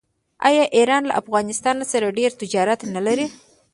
آیا ایران له افغانستان سره ډیر تجارت نلري؟